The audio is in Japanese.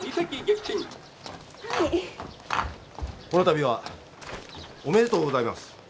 この度はおめでとうございます。